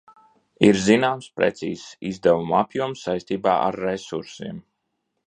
Ir zināms precīzs izdevumu apjoms saistībā ar resursiem.